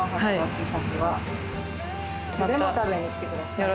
いつでも食べに来てください。